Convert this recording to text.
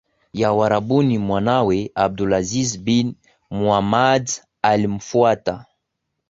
ya Uarabuni Mwanawe AbdulAziz bin Muhammad alimfuata